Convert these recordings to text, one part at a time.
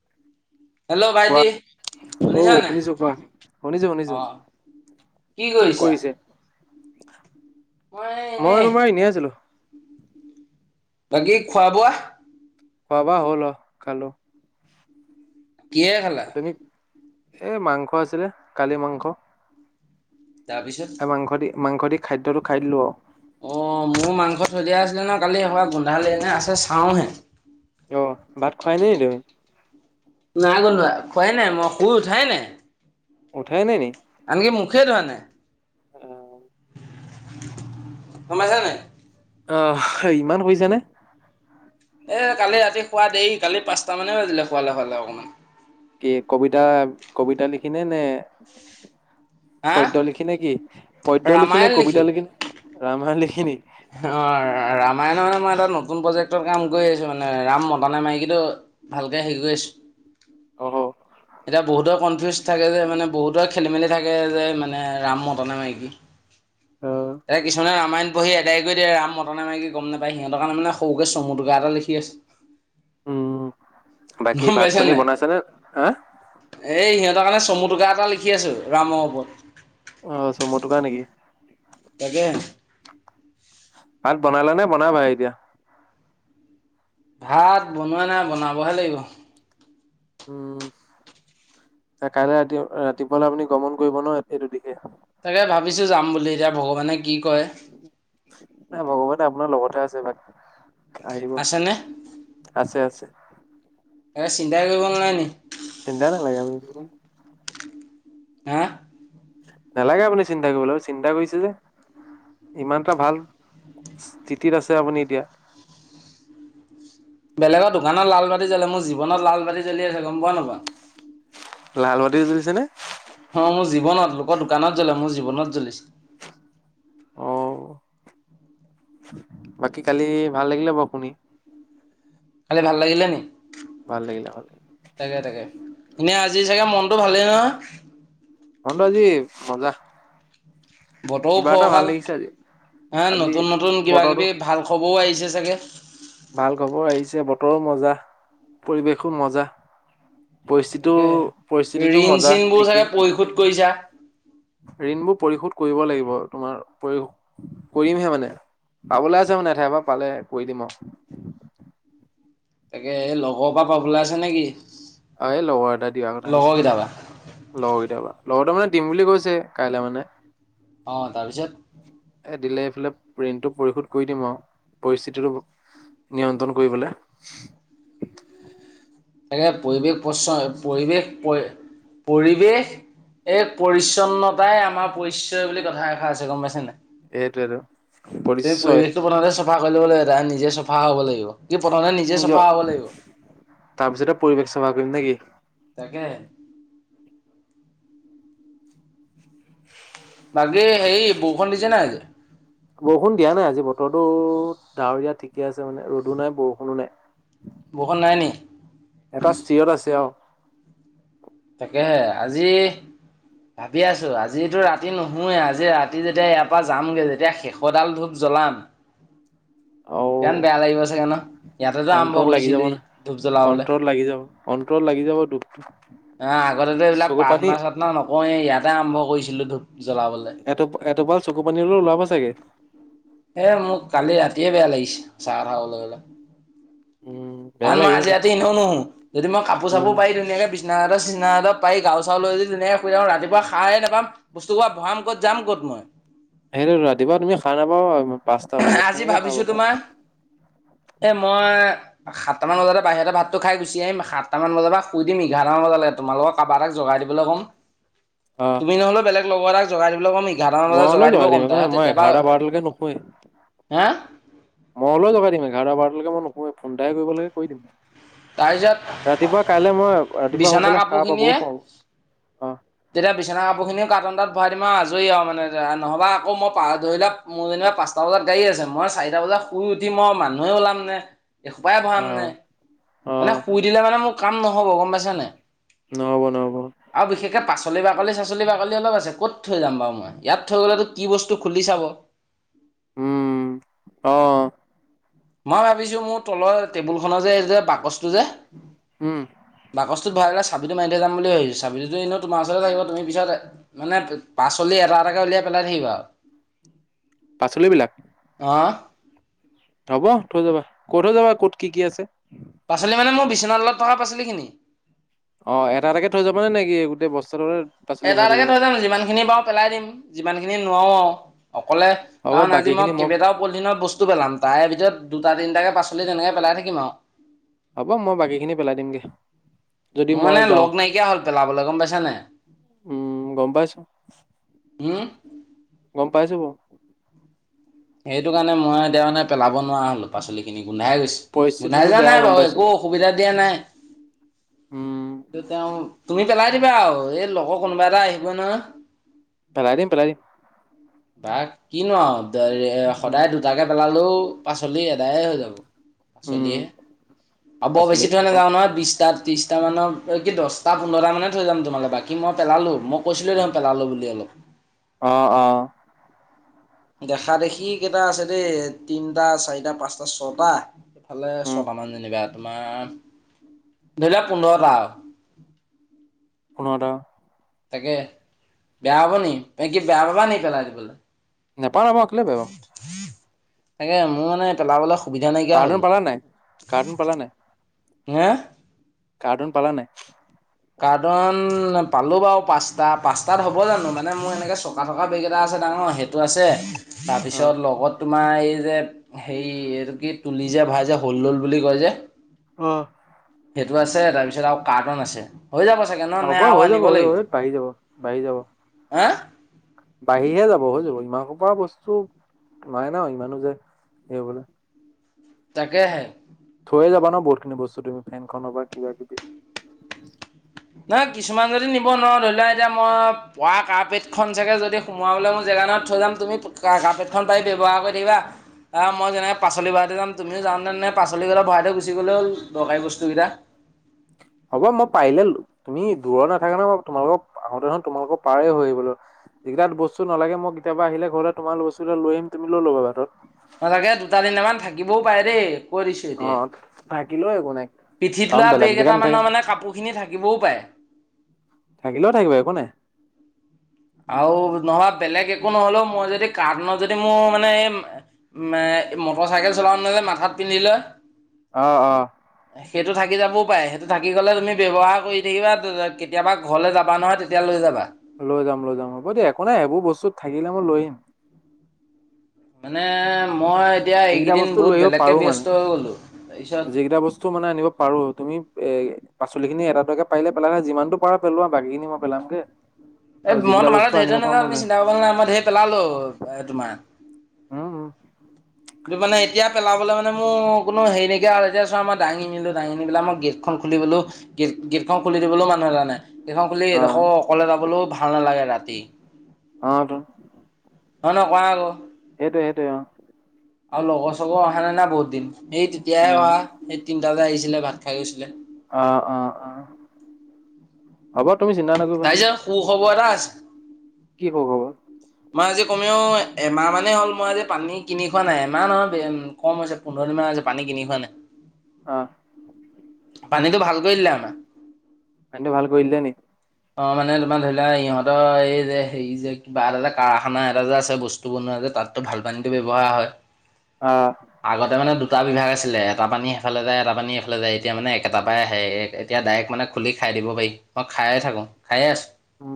[inaudible] Hello কোৱা ভাইটি অ শুনিছা নে শুনিছো কোৱা শুনিছো শুনিছো অ। কি কৰিছা? মই মই এনেই তোমাৰ ইনে আছিলো। বাকী খোৱা বোৱা। খোৱা বোৱা হ'ল অ খালোঁ। কিহেৰে খালা? এ মাংস আছিলে কালি মাংস। তাৰপিছত মাংস মাংসট খাদ্যটো খাই দিলোঁ আও। অ', মোৰ মাংস চলিয়া আছিলে ন কালি এ গোন্ধালে নে আছে চাওহে। অ', ভাত খুৱাই নাই নি তমি? নাই গোন্ধোৱা খোৱাই নাই মই শুই উঠাই নাই। উঠাই নাই নি। আনকি মুখে অ'। সোমাইছা নে। আহ ইমান সুইছেনে। এই কালি ৰাতি শুৱা দেই কালি পাঁচটা মানে বাজিলে শুৱালে শুৱালে অকমান। কি কবিতা কবিতা লিখিনে নে হা পদ্যয় লিখি নে কি পদ্যয় লিখি নে কবিতা লিখি ৰামায়ণ লিখিনি। অ', ৰামায়ণৰ নে মাৰ এটা নতুন প্ৰজ ট্ৰেক্টৰত কাম কৰি আছোঁ মানে ৰাম মতা নে মাইকী টো ভালকৈ হেৰি কৰি আছোঁ। অ'। এতিয়া বহুতৰ কনফিউজ থাকে যে মানে বহুতৰে খেলি মেলি থাকে যে মানে ৰাম মতা নে মাইকী অ, এয়া কিছুমানে ৰামায়ণ পঢ়হি এডাই কৰি দিয়ে ৰাম মতা নে মাইকি গম নাপায় সিহঁতৰ কাৰনে মানে সৰুকে চমু টোকা এটা লিখি আছোঁ। উম। বাকী গম ভাত পাইছে পানী নাই বনাইছানে হা এই সিহঁতৰ কাৰণে চমু টোকা এটা লিখি আছো ৰামৰ ওপৰত। অ', চমুটোকা নেকি। এাকে [unintelligible] ভাত বনালে নে বনাবাই এতিয়া। ভাত বনোৱা নাই বনাবহে লাগিব। উম কাইলৈ ৰাতি ৰাতিপুৱালৈ আপুনি গমন কৰিব ন এইটো দি তাকে ভাবিছো যাম বুলি এতিয়া ভগৱানে কি কয়। নাই ভগৱানে আপোনাৰ লগতহে আছে আহিব আছেনে আছে, আছে। এই চিন্তা কৰিব নালাই নি চিন্ধ নালাগে মো হা। নালাগে আপুনি চিন্তা কৰিব লাগিব চিন্তা কৰিছে যে ইমান এটা ভাল স্থিতিত আছে আপুনি এতিয়া। [inaudible] বেলেগৰ দোকানত লাল বাতি জ্বলে মোৰ জীৱনত লাল বাতি জ্বলি আছে গম পোৱা নাপোৱা। লাল বাতি জ্বলিছে নে। অ', মোৰ জীৱনত লোকৰ দোকানত জ্বলে মোৰ জীৱনত জ্বলিছে। অ', বাকী কালি ভাল লাগিলে বাৰু শুনি। খালি ভাল লাগিলে নি ভাল লাগিলে ভাল লাগিলে তাকে, তাকে এনে আজি চাগে মন টো ভালেই ন। মনটো আজি মজা। বতৰো কিবা এটা ভাল ফৰকাল লাগিছে আজি হ আজি নতুন নতুন কিবা- বতৰটো কিবি ভাল খবৰও আহিছে। ছে চাগে। ভাল খবৰ আহিছে বতৰো মজা পৰিৱেশো মজা। তাকে পৰিস্থিতিও পৰিস্থিতিটো ঋণ মজা চিনবোৰ চাগে ঠিকেই। পৰিশোধ কৰিছা? ঋণবোৰ পৰিশোধ কৰিব লাগিব তোমাৰ পৰিশোধ কৰিমহে মানে পাবলৈ আছে মানেঠাই পৰা পালে কৰি দিম অ',। তাকে এই লগৰ পৰা পাব লা আছে নেকি। অ', এই লগৰ এটা দিয়া কথা লগৰ কেইটাৰ পৰা? আছে লগৰ কেইটয়াবা লগৰ ত মানে। দিম বুলি কৈছে কাইলৈ মানে। অ তাৰপিছত। ঋন টো পৰিশোধ কৰি দিম আৰু পৰিস্থিতিটো নিয়ন্ত্ৰণ কৰিবলৈ। এনে পৰিৱেশ প্ৰশয় পৰিৱেশ পৰিৱেশ এক পৰিচ্ছন্নতাই আমাৰ পৰিচয় বুলি কথা এষাৰ আছে গম পাইছে নাই। সেইটোৱেটো তুমি পৰিচয় পৰিৱেশটো বনতে চফা কৰিব লাগিব নিজে চাফা হ'ব লাগিব। কি প্ৰথমে নিজে নিজৰ চাফা হব লাগিব। তাৰপিছতে পৰিৱেশ সেৱা কৰিম নেকি। তাকে। বাকে হেৰি বৰষু দিছে নাই যে বৰষুণ দিয়া নাই আজি বতৰটো ডাৱৰ দিয়া ঠিকে আছে মানে ৰ'দো নাই বৰষুণো নাই। বৰষুণ নাই নি? এটা স্থিৰত আছে আৰু। তাকেহে আজি। ভাবি আছো আজিতো ৰাতি নুশয়ে আজি ৰাতি যেতিয়া ইয়াৰ পৰা যামগে যেতিয়া শেষডাল ধোক চলাম। আৰু ইমান বেয়া লাগিব চাগে ন ইয়াতেটো আৰম্ভ অন্তৰত লাগি যাব কৰিছিলো ন ধূপ জ্বলাবলৈ। অন্তৰত লাগি যাব অন্তৰত লাগি যাব দুখটো আহ আগতে এইবিলাক প্ৰাৰ্থনা চাৰ্থনা নকওঁ ইয়াতে আৰম্ভ কৰিছিলো ধূপ জ্বলাবলৈ। এটোপাল চকু পানী হলেও ওলাব চাগে। এ মোৰ কালি ৰাতিয়ে বেয়া লাগিছে সঁচা কথা কবলৈ গ'লে উম বেয়া কাৰণ মই লাগিব আজি দে ৰাতি এনেও নুশু যদি মই কাপোৰ উম চাপোৰ পাৰি ধুনীয়াকে বিচনাচাদৰ চিচনাচাদৰ পাৰি গাৰো চাৰু লৈ যদি ধুনীয়াকৈ শুই থাকোঁ ৰাতিপুৱা সাৰে নাপাম, বস্তু সোপা ভৰাম ক'ত যাম ক'ত মই। সেইটোৱেটো ৰাতিপুৱা তুমি সাৰ নাপাবা ন পাঁচটা বজাত আজি কেনেকে সাৰ ভাবিছো তোমাৰ পাবা। এ মই সাতটামান বজাতে বাহিৰতে ভাতটো খাই গুচি আহিম সাতটামান বজাৰ পৰা শুই দিম এঘাৰটা মান বজালে তোমালোকক কাৰোবাৰ এতাক জগাই দিবলৈ ক'ম, অ তুমি নহ'লেও বেলেগ লগৰ এটাক জগাই দিবলে ক'ম নেকি। মই হ'লেও জগাই দিম একোনাই মই এঘাৰটা বাৰতালৈকে নুশুৱেই। হা মই হ'লেও জগাই দিম এঘাৰটা বাৰলৈকে মই নুশুয়েই ফোন এটাহে কৰিব লাগে কৰি দিম। তাৰপিছত ৰাতিপুৱা কাইলৈ মই ৰাতিপুৱা বিচনা সোনকালে সাৰ কাপোৰখিনিয়ে পাবও পাওঁ। তেতিয়া বিছনাৰ কাপোৰ খিনিও কাৰ্টুন এটাত আজৰি আৰু মানে ন'হবা আকৌ মই ধৰি লোৱা মোৰ যেনিবা পাঁচটা বজাত গাড়ী আছে মই চাৰিটা বজাত শুই উঠি মই মানুহে ওলাম নে এসোপাই অ ভৰামনে, অ মানে শুই দিলে মানে মোৰ কাম ন'হব গম পাইছা নে নাই? নহ'ব নহ'ব আৰু বিশেষকে পাচলি বাকলি চাচলি বাকলি অলপ আছে ক'ত থৈ যাম বাৰু মই ইয়াত থৈ গ'লেতো কি বস্তু খুলি চাব উম অ মই ভাবিছো মোৰ তলৰ টেবুল খনৰ যে এই যে বাকচটো যে উম। ভৰা পেলাই চাবিতটো মাৰি যাম বুলি ভাবিছো চাবিতটো এনেও তোমাৰ ওচৰতে থাক তুমি পিছত মানে পাচলি এটা এটা তাকে উলিয়াই পেলাই থাকিবা আৰু। পাচলিবিলক। অ'। হ'ব থৈ যাবা কৈ থৈ যাবা ক'ত কি কি আছে। পাচলি মানে মোৰ বিচনা তলত থকা পাচলি খিনি। অ' এটা এটাকে থৈ যাব নে নেকি গোটেই বস্তাটো এটা এটাকে থৈ যাম যিমান খিনি বাৰু পেলাই দিম, যিমান খিনি নোৱাৰো আৰু। অকলে হ'ব কাৰণ আজি বাকীখিনি মই কেইবাটাও পলিথিনৰত বস্তু পেলাম তাৰে ভিতৰত দুটা তিনটাকে পাছ লি তেনেকে পেলাই থাকিম আৰু হ'ব মই বাকীখিনি পেলাই দিমগে যদি মোৰ মই মানে যাওঁ লগ নাইকিয়া হ'ল পেলাবলৈ গম পাইছানে উম গম পাইছো উম, গম পাইছো বৌ সেইটো কাৰণে মই এতিয়া মানে পেলাব নোৱাৰা হলো পাচলি খিনি গোন্ধাই গৈছে গোন্ধাই পৰিস্থিতিটো যোৱা বেয়া নাই গম বাৰু পাইছো একো অসুবিধা দিয়া নাই। উম কি তেওঁ তুমি পেলাই দিবা আৰু এই লগৰ কোনোবা এটা আহিব ন পেলাই দিম পেলাই দিম বা কিনো উম সদায় দুটাকে পেলালেও পাচলি এদায়ে হৈ যাব উম পাচলিয়ে আৰু বৰ পাচলি বেছি থৈ খতম নাযাওঁ নহয় বিশটা ত্ৰিশটা মানৰ কি দহটা পোন্ধৰটা মানে থৈ যাম তোমাল বাকী মই পেলালো মই কৈছিলো দে পেলালো বুলি অলপ অ অ দেখা দেখি কেইটা আছে দেই তিনটা চাৰিটা পাঁচটা ছটা এইফালে উম ছটা অ যেনিবা তোমাৰ ধৰি লোৱা পোন্ধৰটা আৰু কোনটাা তাকে বেয়া পাব নি নে কি বেয়া পাবা নি পেলাই দিবলৈ। নাপাওঁ নাপাওঁ কেলে বেয়া পাম তাকে মোৰ মানে পেলাবলৈ সুবিধা নাইকিয়া হল কাৰ্টুন পালা নাই কাৰ্টুন হা কাৰ্টোন পালা নাই কাৰ্টন পালো বাৰু পাঁচটা পাঁচটাত হ'ব জানো মানে মোৰ এনেকে চকা থকা বেগক এটা আছে ডাঙৰ সেইটো আছে, অ তাৰপিছত লগত তোমাৰ এই যে হেৰি এইটো কি তুলি যে ভৰাই যে হ'ল দল বুলি কয় যে অ'। সেইটো আছে তাৰপিছত আৰু কাৰ্টন আছে। হৈ যাব চাগে ন নে হ'ব আৰু হৈ যাব আনিব হৈ যাব লাগিব, এই বাঢ়ি যাব বাঢ়ি যাব আ। বাঢ়িহে যাব হৈ যাব ইমান সোপা বস্তু মানে ন ইমানো যে হেৰি হ'বলে। তাকেহে। লৈ যাবা ন বহুত খিনি বস্তু তুমি ফেন খনৰ বা কিবা কিবি। নহয় কিছুমান যদি নিব নোৱাৰো ধৰি লোৱা এতিয়া মই পৰা কাৰপেট খন চাগে যদি সোমুৱাবলে মোৰ জেগা দোকানত থৈ যাম তুমি কাৰপেটখন পাৰি ব্যৱহাৰ কৰি থাকিবা আ মই যেনেকে পাচলি ভৰাই থৈ যাম তুমিও যাওঁতেনে পাচলি কেইটা ভৰা়ই থৈ গুচি গ'লে হ'ল। দৰকাৰী বস্তুকেইটা হ'ব মই পাৰিলে তুমি দূৰত নাথাকা ন তোমালোকক আহোতে নহয় তোমালোকৰ পাৰেই হৈ আহিবলৈ যিকেইটা বস্তু নালাগে মোক কেতিয়াবা আহিল ঘৰলে তোমাৰ ল বস্তু লৈ আহিম তুমি লৈ ল'বা বাটত। নালাগে, দুটা তিনটামান থাকিবও পাৰে দেই। কৈ দিছোঁ এতিয়াই অ' থাকিলেওঁ একো নাই। পিঠিত কাৰণ লোৱা বেলেগ বেগ জেগাত নাথাকে এটামানৰ ন মানে কাপোৰ খিনি থাকিবও পাৰে। থাকিলেও থাকিব একো নাই। আৰু নহয় বেলেগ একো নহলেও মই যদি কাৰ্টুনত যদি মোৰ মানে মে মটৰ চাইকেল চলাওতে যে মাথাত পিন্ধি লয়। অ অ সেইটো থাকি যাব পাৰে, সেইটো থাকি গ'লে তুমি ব্যৱহাৰ কৰি থাকিবা কেতিয়াবা ঘৰলৈ যাবা নহয় তেতিয়া লৈ যাবা। লৈ যাম- লৈ যাম হ'ব দিয়া একো নাই এইবোৰ বস্তু থাকিলে মই লৈ আহিম। মানে মই এতিয়া, যিকেইটা এইকেইদিন বস্তু বহুত লৈ আহিব বেলেগকে পাৰো ব্যস্ত মানে হৈ গ'লো। তাৰপিছত যিকেইটা বস্তু মানে আনিব পাৰো তুমি এ পাচলি খিনি দুটাকে পাৰিলে পেলাবা যিমানটো পাৰা পেলোৱা বাকী খিনি মই পেলামগে। এ আৰু মই যিকেইটা তোমালে বস্তু ঢেৰ আনিব থৈ পাৰো নাযাওঁ, মই তুমি লৈ চিন্তা কৰিব নালাগে মই ঢেৰ পেলালো আহিম এ তোমাৰ। উম উম কিন্তু মানে এতিয়া পেলাবলে মানে মোৰ কোনো হেৰি নাইকিয়া হ' ল আৰু এতিয়া চোৱা মই দাঙিনিলো দাঙি নি পেলাই মই গেটখন খন খুলি বলো গে গেট খুলি দিবলৈও মানুহ এটা নাই। গেট খন খুলি অ এডখৰ অকলে যাবলৈও ভাল নালাগে ৰাতি। অ' টোন। অ' নহ কোৱা আকৌ। সেইটোয়ে- সেইটোৱে অ'। আৰু লগৰ চগৰ অহা নাই না বহুত দিন, এই তেতিয়াই উম, অহা এই তিনটা যে আহিছিলে ভাত খাই গৈছিলে। অ', অ'- অ' হ'ব তুমি চিন্তা নকৰিবা। তাৰপিছত সু খবৰ এটা আছ কি খ খবৰ। মই আজি কমেও এমাহ মানে হ'ল মই আজি পানী কিনি খোৱা নাই এমাহ নহয় কম হৈছে পোন্ধৰ দিনমান আজি পানী কিনি খুৱা নাই। অ'। পানীটো ভাল কৰি দিলে আমাৰ। পানীটো ভাল কৰি দিলে নি। অ মানে তোমাৰ ধৰি লোৱা ইহঁতৰ এই যে হেৰি যে কিবা এটা এ যে কাৰখানা এটা যে আছে বস্তু বনোৱা যে। তাতটো ভাল পানীটো ব্যৱহাৰ হয় আহ আগতে মানে। দুটা বিভাগ আছিলে এটা পানী সিফালে যায় এটা পানী ইফালে যায় এতিয়া মানে একোটা পৰাই আহে এতিয়া ডাইৰেক্ট মানে খুলি খাই। খাই দিব পাৰি মই খায়ে থাকো খায়ে আছোঁ। উম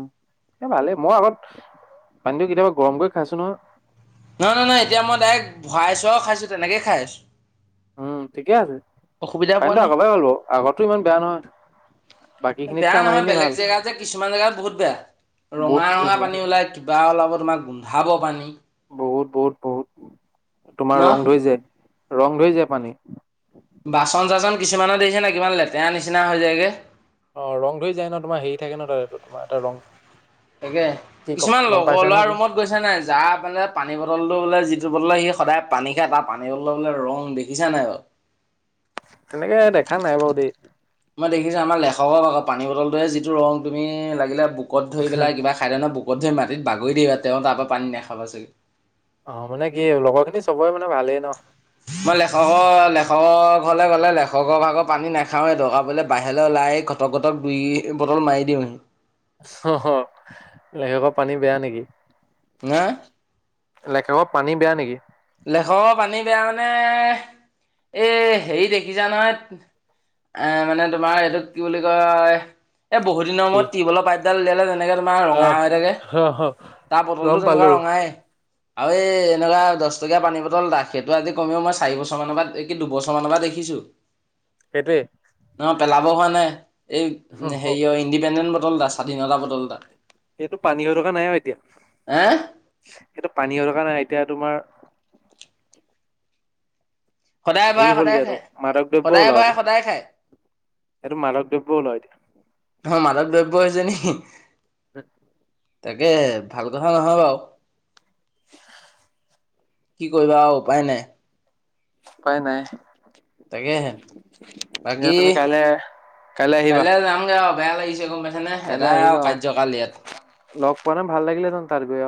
এ ভালেই মই আগত পানীটো কেতিয়াবা গৰম কৰি খাইছোঁ নহয়। নহয় নহয় এতিয়া মই ডাইৰেক্ট ভৰাইছোঁ আৰু খাইছোঁ তেনেকে খাই আছোঁ। উম ঠিকে আছে পোৱা পানীটো নাই আগৰ পৰাই গ'ল আগৰটো ইমান বেয়া নহয়। বাকী খিনিতকে বেয়া আমাৰ নহয় খিনি বেলেগ ভাল জেগা যে কিছুমান জেগাত বহুত। বহুত ৰঙা ৰঙা খেচেৰা পানী ওলাই কিবা ওলাব তোমাক গোন্ধাব পানী। বহুত বহুত বহুত ন তোমাৰ ৰং ধৰি যায় ৰং ধৰি যায় পানী। বাচন চাচন কিছুমানৰ দেখিছানে কিমান লেতেৰা নিচিনা হৈ যায়গে। অ ৰং ধৰি যায় নহ তোমাৰ হেৰি থাকে নহ তাৰ এইটো তোমাৰ এটা ৰং। তাকে কি ক কিছুমান গম লগৰ পাইছা ন ল'ৰা কি ৰুমত গৈছে নাই যাৰ মানে পানী বটলটো বোলে। বলে সি সদায় পানী খাই তাৰ পানী বটলৰ বোলে ৰং দেখিছা নাই বাৰু। তেনেকে দেখা নাই বাৰু দেই। মই দেখিছোঁ আমাৰ লেখকক আকৌ পানী বটলটোৰ যিটো ৰং তুমি লাগিলে বুকোত ধৰি পেলাই কিবা খাই দিয়া নহ। [unintelligible] মাটিত বাগৰি দিবা তেওঁ তাৰ পৰা পানী নাখাবা চাগৈ। অ মানে কি লগৰ খিনি চবৰে মানে ভালেই নহ। মই লেখকৰ লেখকৰ ঘৰলে গ'লে লেখকৰ ভাগৰ পানী নাখাওৱে দৰকাৰ পৰিলে বাহিৰলৈ ওলাই। আহি ঘটক ঘটক দুই বটল মাৰি দিওঁ হি। অহ অহ লেখকৰ পানী বেয়া নেকি। না। লেখকৰ পানী বেয়া নেকি। লেখকৰ পানী বেয়া মানে এই হেৰি দেখিছা নহয়। এ মানে তোমাৰ এইটোক কি বুলি কয় এ বহুত দিনৰ কি মূৰত টিউবেলৰ পাইপডাল উলিয়ালে জানো। এনেকে তোমাৰ ৰঙা হৈ থাকে। আহ তাৰ বটল গম টো তেনেকুৱা পালো ৰঙাই আৰু এই এনেকুৱা। দহ টকীয়া পানী বটল দাগ সেইটো আজি কমেও মই চাৰি বছৰ মানৰ পৰা কি দুবছৰ মানৰ পৰা দেখিছোঁ। সেইটোৱেই। [unintelligible] হোৱা নাই। এই হেৰি অ ইণ্ডিপেণ্ডেণ্ট বটল এটা স্বাধীনতা বটলটা। সেইটো পানী দৰকাৰ নাই এতিয়া তোমাৰ। সদায় সেই ভৰাই সদায় হ'লগে আৰু খায় মাদক দ্ৰব্য সদায় হ'ল ভৰাই আৰু। সদায় খায় সেইটো মাদক দ্ৰব্যয় এতিয়া। প্ৰয়োজনী। [inaudible] তাকে ভাল কথা নহয় বাৰু। কি কৰিবা উপায় নাই। উপাই নাই। তাকেহে এতিয়া বাকি তুমি কাইলে কাইলৈ আহিবা কাললৈ যাম গে আও। বেয়া লাগিছে গম পাইছে নে [unintelligible] কাইলৈ আৰু কাৰ্যকাল ইয়াত। মানে ভাল লাগিলে [unintelligible] তাত গৈ।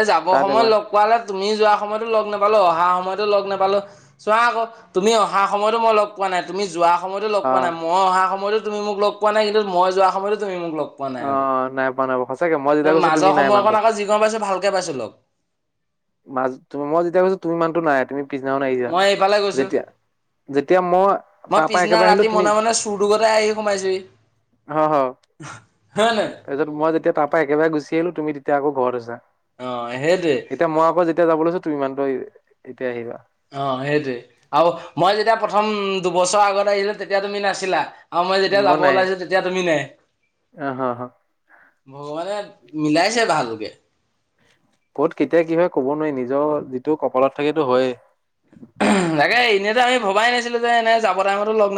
এ যাব তাত সময় এবাৰ লগ পোৱালে। তুমি যোৱা সময়তো লগ নাপালোঁ অহা সময়তো লগ নাপালোঁ চোৱা আকৌ তুমি অহা সময়তো মই লগ পোৱা। তুমি যোৱা সময়তো লগ অ পোৱা নাই মই অহা সময়তো মোক লগ পোৱা নাই কিন্তু মই যোৱা সময়তো তুমি মোক লগ। অ নাই পোৱা নাই। সঁচাকে মই যেতিয়া ন কৈছো তুমি মাজৰ নাই সময়খন মানুহটো আকৌ যিকণ পাইছোঁ ভালকে পাইছোঁ লগ। মাজত মই যেতিয়া গৈছোঁ তুমি মানুহতো নাই তুমি পিছদিনাখন আহিছা মই এইফালে গৈছো যেতিয়া। যেতিয়া মই মই তাৰ পৰা পিছদিনা একেবাৰে আহিলো ৰাতি তুমি মনে মনে চুৰটোগতে আহি সোমাইছোহি অ হয় হয় নে তাৰপিছত মই যেতিয়া তাৰ পৰাা একেবাৰে গুচি আহিলো তুমি তেতিয়া আকৌ ঘৰত আছা অ হেই এতিয়া মই আকৌ যেতিয়া যাব লৈছো তু ইমানতটো এতিয়া আহিবা অ সেইটোৱে আৰু মই যেতিয়া প্ৰথম দুবছৰ আগত আহিলো তেতিয়া তুমি নাছিলা আৰু মই যেতিয়া যাব ওলাইছো তেতিয়া তুমি নাই আহ হ ভগৱানে মিলাইছে ভালকে ক'ত কেতিয়া কি হয় ক'ব নোৱাৰি নিজৰ যিটো কপালত থাকো হয়েই তাকে এনেইো আমি ভবাই নাছিলো যে এনে যাব টাইমতো লগ